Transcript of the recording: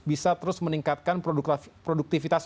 bisa terus meningkatkan produktivitas